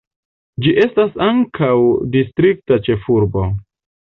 Ĝi estas ankaŭ distrikta ĉefurbo.